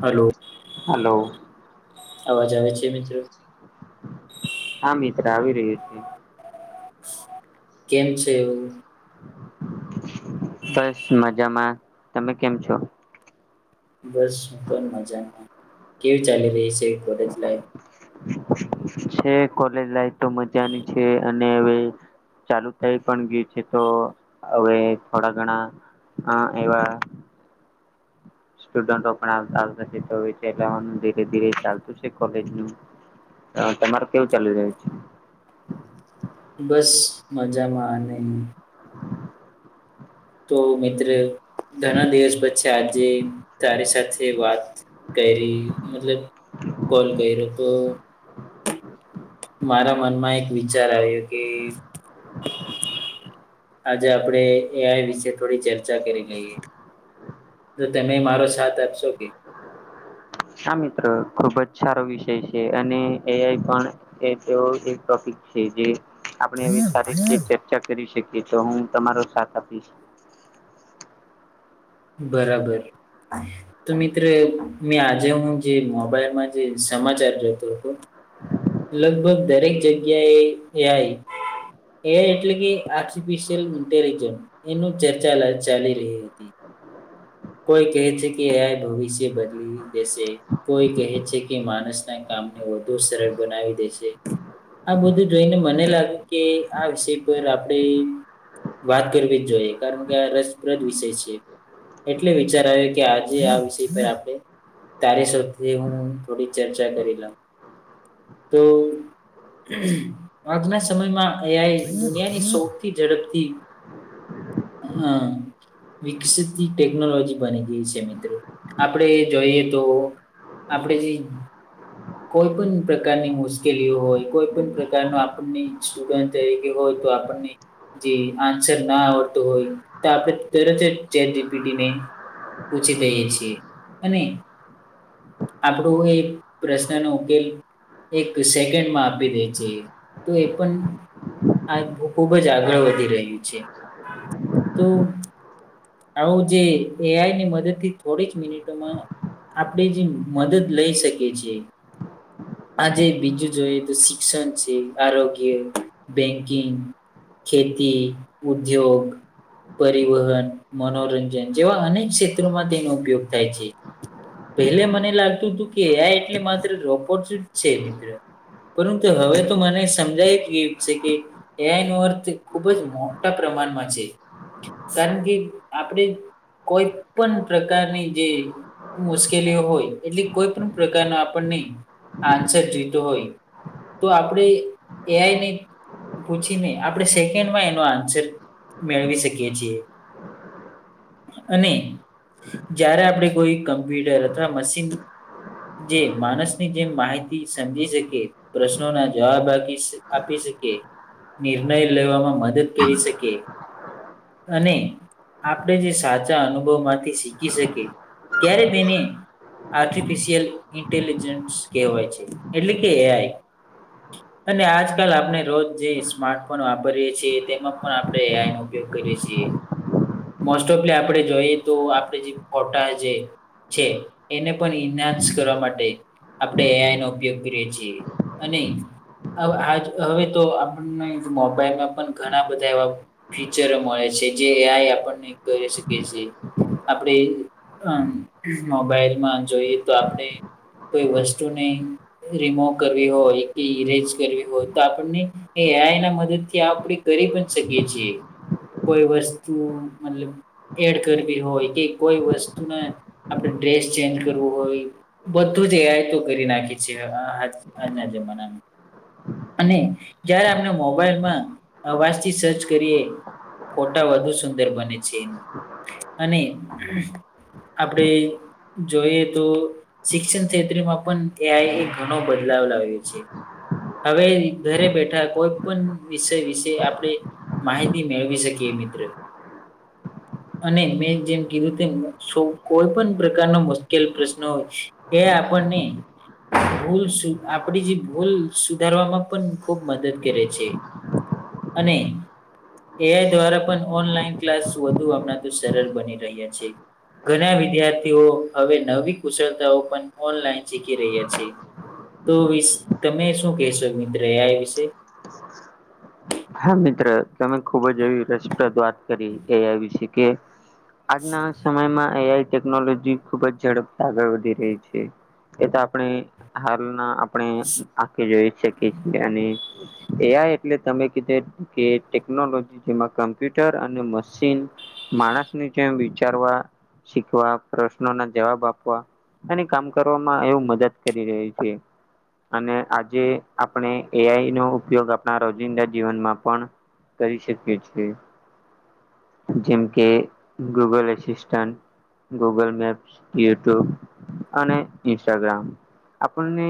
Hello hello અવાજ આવે છે મિત્ર હા મિત્ર આવી રહ્યો છે કેમ છે? બસ મજામાં તમે કેમ છો? બસ હું પણ મજામાં કેવી ચાલી રહી છે કોલેજ લાઇફ છે કોલેજ લાઈફ તો મજાની છે અને અવે ચાલુ થઈ પણ ગિયું છે તો અવે થોડા ઘણા અ એવા સ્ટુડન્ટો પણ આવતા આવતા છે તો અવે ચલાવાનું ધીરે ધીરે ચાલતું છે કોલેજ નું અ તમારું કેવું ચાલી રહ્યું છે? બસ મજામાં અને તો મિત્ર ઘણા દિવસ પછી આજે તારી સાથે વાત કયરી મતલબ કોલ કયરો તો મારા મનમાં એક વિચાર આવ્યો કે આજે આપડે એ આઇ વિશે થોડી ચર્ચા કરી લઈએ તો તમે મારો સાથ આપશો કે હા મિત્રો ખુબ જ સારો વિષય છે અને એઆઈ પણ એ તેવો એક ટોપિક છે જે આપણે હવે સારી રીતે ચર્ચા કરી શકીએ તો હું તમારો સાથ આપીશ બરાબર તો મિત્ર મેં આજે હું જે મોબાઈલમાં જે સમાચાર જેતો તો હતો લગભગ દરેક જગ્યા એ એઆઈ એ એટલે કે આર્ટિફિશિયલ ઇન્ટેલિજન્ એનું ચર્ચા ચાલી રહી હતી કોઈ કહે છે કે એ ભવિષ્ય બદલી દેશે કોઈ કહે છે કે માણસના કામને વધુ સરળ બનાવી દેશે આ બધું જોઈને મને લાગ્યું કે આ વિષય પર આપડે એમ વાત કરવી જ જોઈએ. કારણ કે આ રસપ્રદ વિષય છે. એટલે વિચાર આયો, કે આજે આ વિષય પર આપણે તારી સાથે હું થોડી ચર્ચા કરી લઉ. તો આજના સમયમાં એ આઇ દુનિયાની સૌથી ઝડપથી હા. વિકસિતી ટેકનોલોજી બની ગઈ છે મિત્ર. આપણે જોઈએ તો આપણે જે કોઈ પણ પ્રકારની મુશ્કેલીઓ હોય, કોઈ પણ પ્રકારનો આપણને સ્ટુડન્ટ તરીકે હોય તો આપણને જે આન્સર ના આવડતું હોય, તો આપણે તરત જ ચેટ જી પી ટી ને પૂછી લઈએ છીએ. અને આપણું એ પ્રશ્ન નો ઉકેલ એક સેકન્ડમાં આપી દે છે. તો એ પન આ બ ખૂબ જ આગળ વધી રહ્યું છે. તો આવું જે એ આઈ ની મદદ થી થોડી જ મિનિટોમાં આપણી જેમ મદદ લઇ શકે છે. આજે બીજું જોઈએ તો શિક્ષણ છે, આરોગ્ય, બેંકિંગ ખેતી યોગ પરિવહન, મનોરંજન જેવા અનેક ક્ષેત્રોમાં તેનો ઉપયોગ થાય છે. પહેલે મને લાગતું તું, કે એ આઇ એટલે માત્ર રોબોટ જ છે મિત્ર. પરંતુ હવે તો મને સમજાય જ ગયું છે, કે એ આઇ નો અર્થ ખુબ જ મો ટા પ્રમાણમાં છે. કારણ કે આપણે કોઈ પણ પ્રકારની જે મુશ્કેલીઓ હોય, એટલે કોઈ પણ પ્રકાર ના આપણને આન્સર જોઈતો હોય તો આપણે એ આઈ ને પૂછી ને આપણે સેકન્ડમાં એનો આન સર મેળવી શકીએ છીએ. અને જ્યારે આપણે કોઈ કમ્પ્યુટર અથવા મશીન જે માનસની જેમ માહિતી સમજી શકે પ્રશ્નો ના જવાબ આપી શ આપી શકે, નિર્ણય લેવામાં મદદ કરી શકે અને આપણે જે સાચા અનુભવ માંથી શીખી શકે ત્યારે તેને આર્ટિફિશિયલ ઇન્ટેલિજન્સ કહેવાય છે. એટલે કે એ આઈ. અને આજકાલ આપને રોજ જે સ્માર્ટફોન વાપરીએ છીએ તેમાં પણ આપણે એ આઈનો ઉપયોગ કરીએ છીએ. મોસ્ટ ઓફલી આપણે જોઈએ તો આપણે જે ફોટા જે છે, એને પણ ઇન્હાન્સ કરવા માટે આપણે એ આઈ નો ઉપયોગ કરીએ છીએ. અને આવ આજ હવે આપણને મોબાઈલમાં પણ ઘણા બધા એવા ફીચરો મળે છે. જે આ આઈ આપણને કરી શકે છે. આપણે અમ્મ મોબાઈલમાં જોઈએ તો આપણે કોઈ વસ્તુને રિમોવ કરવી હોય, કે ઈરેજ કરવી હોય તો આપણને એ આઈ ના મદદથી આપણે કરી પણ શકીએ છીએ. કોઈ વસ્તુ મતલબ એડ કરવી હોય, કે કોઈ વસ્તુને આપણે ડ્રેસ ચેન્જ કરવું હોય બધું જ એ આઈ થ્રુ કરી નાખીએ છીએ આ આજ-આજના જમાનામાં. અને જ્યારે આપણે મોબાઈલમાં અવાજથી સર્ચ કરીએ ફોટા વધુ સુંદર બને છે, અને આપડે જોઈએ તો શિક્ષણ ક્ષેત્રમાં પણ એ આઈ એ ઘણો બદલાવ લાવ્યો છે. હવે ઘરે બેઠા કોઈ પણ વિષય વિશે આપણે માહિ તી મેળવી શકીએ મિત્ર અને મેં જેમ કીધું તેમ સૌ કોઈ પણ પ્રકારનો મુશ્કેલ પ્રશ્ન એ આપણને ભૂલ સુ આપડી જે ભૂલ સુધારવામાં પણ ખુબ મદદ કરે છે. અને એ આઈ દ્વારા પણ ઓનલાઈન ક્લાસ વધુ હમણા તો સરળ બની રહ્યા છે. ઘણા વિદ્યાર્થીઓ હવે નવી કુશળતાઓ પણ ઓનલાઈન શીખી રહ્યા છે. તો વિશ તમે શું કેશો મિત્ર એ આઈ વિશે? હા મિત્ર તમે ખુબ જ એવી રસપ્રદ વાત કરી એ આઈ વિશે કે આજના સમયમાં એઆઈ ટેકનોલોજી ખુબ જ ઝડપથી આગળ વધી રહી છે, એ તો આપણે હાલના આપણે આખથી જોઈ શકીએ છીએ અને એયા એટલે તમે [unintelligible] કે ટેકનોલોજી જેમાં કમ્પ્યુટર અને મશીન માણસની જેમ વિચારવા, શીખવા પ્રશ્નોના, જવાબ આપવા અને કામ કરવામાં એવું મદદ કરી રહ્યું છે. અને આજે આપણે એ આઈ નો ઉપયોગ આપણા રોજિંદા જીવનમાં પણ કરી શકીએ છે. જેમ કે Google assistant Google maps, YouTube અને ઇન્સ્ટાગ્રામ આપણને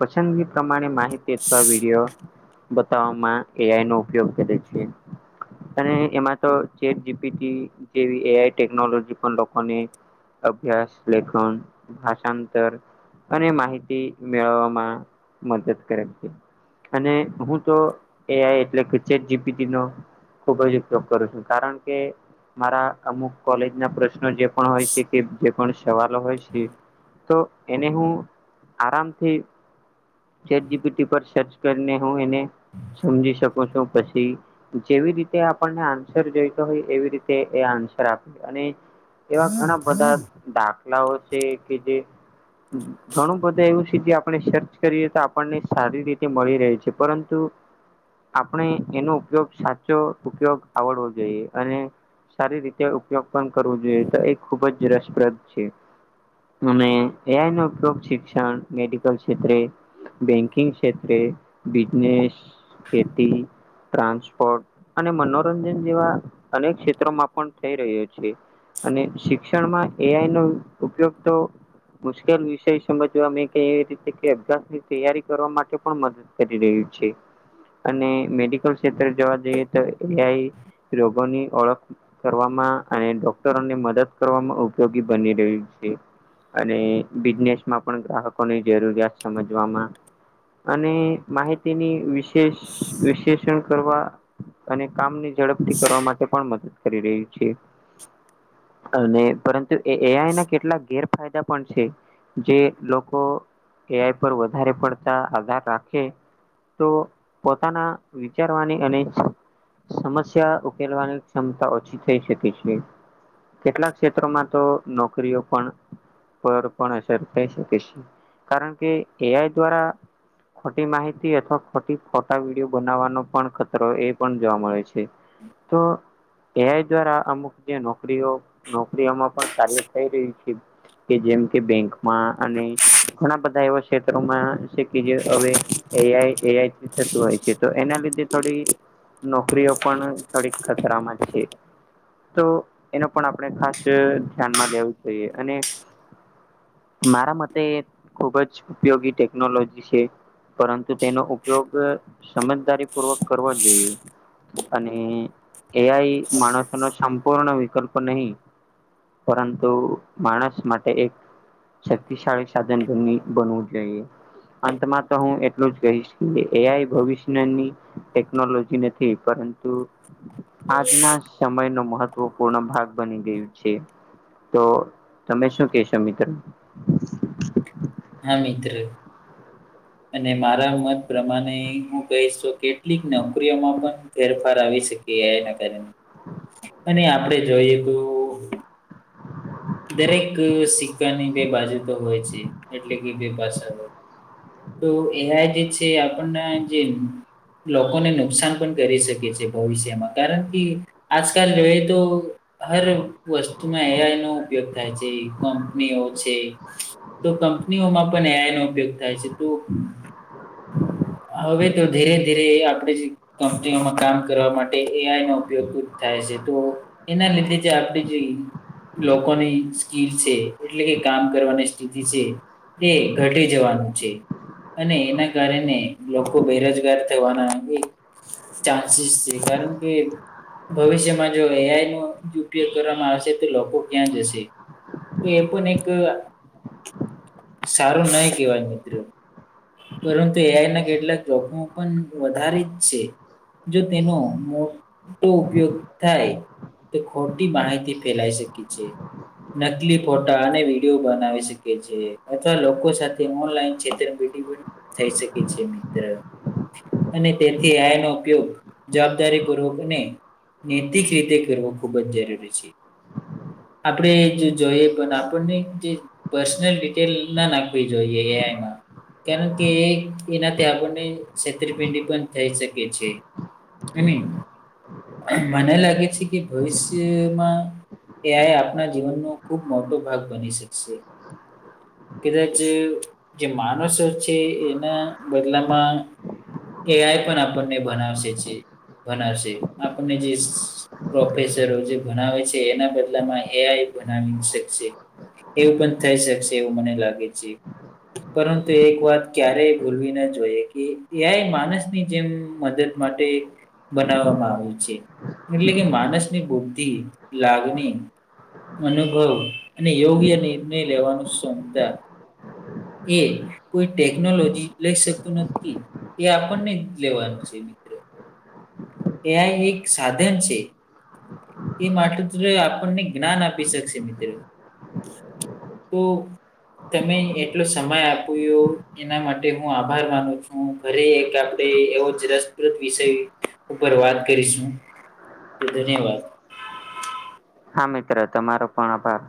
પસંદગી પ્રમાણે માહિતી અથવા વિડીયો બતાવવામાં એ આઈનો ઉપયોગ કરે છે. અને એમાં તો ચેટ જીપીટી જેવી એઆઈ ટેકનોલોજી પણ લોકોને અભ્યાસ, લેખન, ભાષાંતર અને માહિતી મેળવવામાં મદદ કરે છે. અને હું તો એ આઈ એટલે કે ચેટ જીપીટીનો ખુબ જ ઉપયોગ કરું છું કારણ કે મારા અમુક કોલેજના પ્રશ્નો જે પણ હોય છે, કે જે પણ સવાલો હોય છે. તો એને હું આરામથી ચેટજીપીટી પર સર્ચ કરીને હું એને સમજી શકું છુ પછી જેવી રીતે આપણને આન્સર જોઈતો હોય એવી રીતે એ આનસર અને એવા ઘણા બધા દાખલાઓ છે, કે જે ઘણું બધા એવું છે, જે આપણે સર્ચ કરીએ તો આપણને સારી રીતે મળી રહે છે, પરંતુ આપણે એનો ઉપયોગ સાચો ઉપયોગ આવડવો જોઈએ અને સારી રીતે ઉપયોગ પણ કરવો જોઈએ તો એ ખૂબ રસપ્રદ છે. અને એઆઈનો ઉપયોગ શિક્ષણ, મેડિકલ ક્ષેત્રે બેંકિંગ ક્ષેત્રે, બીજનેસ, ખેતી ટ્રાન્સપોર્ટ અને મનોરંજન જેવા અનેક ક્ષેત્રોમાં પણ થઈ રહ્યો છે. અને શિક્ષણમાં એ આઈ નો ઉપયોગ તો મુશ્કેલ વિષય સમજવા મે કે એવી રીતે કે [unintelligible] ની તૈયારી કરવા માટે પણ મદદ કરી રહ્યું છે. અને મેડિકલ ક્ષેત્ર જોવા જઈએ તો એ આઈ રોગોની ઓળખ કરવામાં અને ડોક્ટરોને મદદ કરવામાં ઉપયોગી બની રહ્યું છે. અને બિઝનેસ માં પણ ગ્રાહકોની જરૂરિયાત સમજવામા. અને માહિતીની વિશે. શેષ વિશેષણ કરવા અને કામની ઝડપથી કરવા માટે પણ. કરી રહ્યું છે. અને પરંતુ એ એઆઈ ના કેટલા ગેરફાયદા પણ છે જે લોકો. એઆઈ પર વધારે પડતા આધાર રાખે તો. પોતાના વિચારવાની અને. સમસ્યા ઉકેલવાની ક્ષમતા ઓછી થઈ શકે છે. કેટલાક ક્ષેત્રોમાં તો નોકરીઓ પણ. પર પણ અસર થઈ શકે છે કારણ કે એઆઈ દ્વારા. ખોટી માહિતી અથવા ખોટી ખોટ. વિડીયો બનાવવાનો પણ ખતરો એ પણ જોવા મળે છે. તો એઆઈ દ્વારા અમુક જે નોકરીઓ નોકરીમાં. પણ કાર્ય થઈ રહ્યું છે. કે જેમ કે બેંકમાં અને ઘણા બધા એવા ક્ષેત્રોમાં. કે જે હવે એઆઈ એઆઈ. થી થતું હોય છે તો એના લીધે થોડી નોકરીઓ પણ થોડીક ખતરામાં છે. તો એનો આપણે ખાસ ધ્યાનમાં જોઈએ અને. મારા મતે ખુબ જ ઉપયોગી ટેકનોલોજી છે. પરંતુ તેનો ઉપયોગ સમજદારી પૂર્વક કરવો જોઈએ. અને એઆઈ માણસોનો સંપૂર્ણ વિકલ્પ નહીં. પરંતુ માણસ માટે એક. શક્તિશાળી સાધન બની બનવું જોઈએ. અંતમા તો હું એટલું જ કહીશ કે. એઆઈ ભવિષ્યની ટેકનોલોજી નથી પરંતુ. આજના સમયનું મહત્વપૂર્ણ ભાગ બની ગયું છે. તો તમે શું કેશો મિત્રો. હા મિત્ર. અને મારા મત પ્રમાણે હું કહીશ તો કેટલીક નોકરીઓમાં પણ. ફેરફાર આવી શકે એઆઈ ના કારણે. ને આપણે જોઈએ તો. દરેક સિક્કાની બે બાજુ તો હોય છે એટલે કે બે ભાષા હો. તો એઆઈ જે છે આપણને જે. લોકોને નુકસાન પણ કરી શકે છે ભવિષ્યમાં કારણ કે. આજકાલ જોઈતો. હર વસ્તુમાં એઆઈ નો ઉપયોગ થાય છે કંપનીઓ છે. તો કંપનીઓમાં પણ એ આઈ નો ઉપયોગ થાય છે તો. હવે તો ધીરે ધીરે એ આપણે. કંપનીઓમાં કામ કરવા માટે એઆઈ નો ઉપયોગ જ થાય છે તો. એના લીધે જે આરતી જોઈ. લોકોની સ્કીલ છે એટલે કે કામ કરવાની સ્થિતિ છે. એ ઘટી જવાનું છે. અને એના કારણે લોકો બેરોજગાર થવાના એ. ચાન્સીસ છે કારણ કે. ભવિષ્યમાં જો એ આઈનો ઉપયોગ કરવામાં આવશે તો લોકો ક્યાં જશે એ પણ એક સારું નઈ કહેવાય મિત્ર પરંતુ એ આઈ ના કેટલાક જોખમો પણ વધારે જ છે. જો તેનો મોટો ઉપયોગ થાય તો ખોટી માહિતી ફેલાઈ શકી છે. નકલી ફોટા અને વિડીયો બનાવી શકે છે અથવા લોકો સાથે ઓનલાઈન છેત થઈ શકે છે મિત્ર અને તેથી એ આઈ નો ઉપયોગ જવાબદારી પૂર્વકોને નૈતિક રીતે કરવો ખૂબ જ જરૂરી છે. આપડે જો જોઈએ પણ આપણને જે પર્સનલ ડિટેલ ના નાખવી જોઈએ એ આઈમાં કારણ કે એનાથી આપણને છેતરપિંડી પણ થઈ શકે છે. અને મને લાગે છે કે ભવિષ્યમાં એ આઈ આપણા જીવનનો ખૂબ મોટો ભાગ બની શકશે કદાચ જે માણસો છે એના બદલામાં એ આઈ પણ આપણને બનાવશે છે. ભણાવશે આપણને જે પ્રોફેસરો જે ભણાવે છે એના બદ દલા માં એ આઈ બનાવી ન શકશે એવું પણ થઈ શકશે એવું મને લાગે છે. પરંતુ એક વાત ક્યારેય ભૂલવી ના જોઈએ કે એ આઈ માણસની જેમ મદદ માટે બનાવવામાં આવે છે. એટલે કે માનસ ની બુદ્ધિ લાગણી અનુભવ અને યોગ્ય નિર્ણય લેવાનું ક્ષમતા એ કોઈ ટેકનોલોજી લઈ શકતું નથી એ આપણને લેવાનું છે. એ આઈ એક સાધન છે. એ માત્ર આપણને જ્ઞાન આપી શકશે મિત્ર ખૂબ તમે એટલો સમય આપ્યું એના માટે હું આભાર માનું છું. ફરી એક આપડે એવો જ રસપ્રત વિષય ઉપર વાત કરીશું ધન્યવાદ હા મિત્ર તમારો પણ આભાર